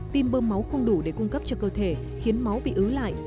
tim bơm máu không đủ để cung cấp cho cơ thể khiến máu bị ứ lại